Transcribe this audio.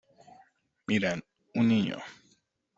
¡Mira! un niño.